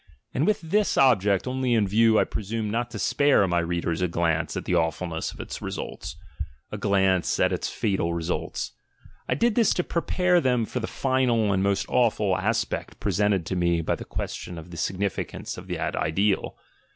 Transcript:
And with this object only in view I presumed "not to spare" my readers a glance at the awfulness of its results, a glance at its fatal results; I did this to prepare them for the final and most awful aspect presented to me by the question of the significance of that ideal.